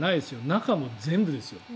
中も全部ですよ。